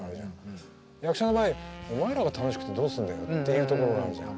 役者の場合お前らが楽しくてどうすんだよっていうところがあるじゃん。